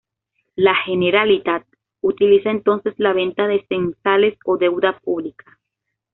La "Generalitat" utiliza entonces la venta de censales o deuda pública.